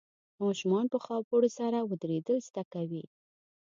ماشومان په خاپوړو سره ودرېدل زده کوي.